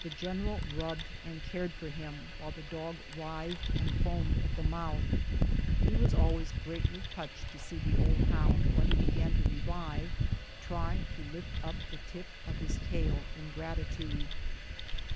The general rubbed and cared for him, while the dog writhed and foamed at the mouth. He was always greatly touched to see the old hound, when he began to revive, try to lift the tip of his tail in gratitude.